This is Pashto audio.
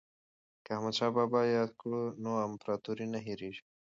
که احمد شاه بابا یاد کړو نو امپراتوري نه هیریږي.